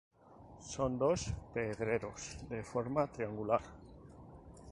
Son dos pedreros de forma triangular.